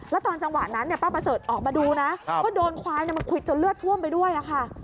แล้วตอนจังหวะนั้นป้าประเสริฐออกมาดูนะก็โดนควายมาควิดจนเลือดท่วมไปด้วยค่ะ